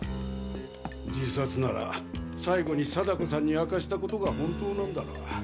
自殺なら最後に貞子さんに明かしたことが本当なんだろう。